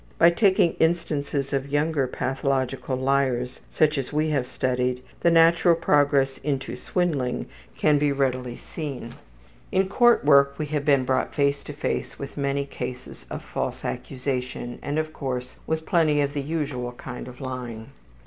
By taking instances of younger pathological liars, such as we have studied, the natural progress into swindling can be readily seen. In court work we have been brought face to face with many cases of false accusation and, of course, with plenty of the usual kind of lying.